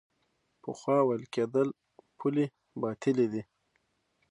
پخوا ویل کېدل پولې باطلې دي.